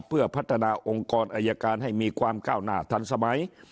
เพื่อพัฒนาองค์กรอายการให้มีความก้าวหน้าทันสมัย